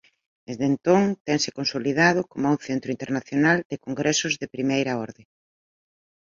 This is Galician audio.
Dende entón tense consolidado coma un centro internacional de congresos de primeira orde.